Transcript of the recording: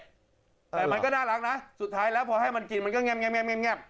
แต่มันก็น่ารักนะสุดท้ายแล้วพอให้มันกินมันก็แง่ม